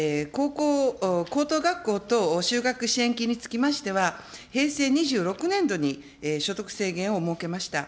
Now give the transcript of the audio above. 高等学校等就学支援金につきましては、平成２６年度に所得制限を設けました。